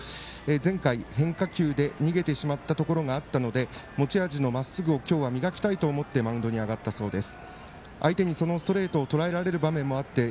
前回、変化球で逃げてしまったところがあったので持ち味のまっすぐを今日は磨きたいと思ってマウンドに登ったそうです。